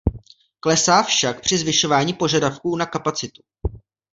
Klesá však při zvyšování požadavků na kapacitu.